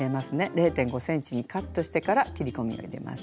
０．５ｃｍにカットしてから切り込みを入れます。